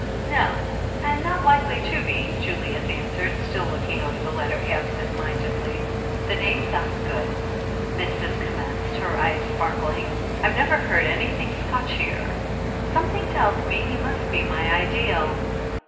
"No, and not likely to be," Julius answered, still looking over the letter absent mindedly. "The name sounds good," Miss Cis com menced, her eyes sparkling. "I never heard anything Scotchier. Something tells me he must be my ideal."